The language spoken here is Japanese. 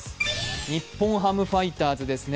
日本ハムファイターズですね。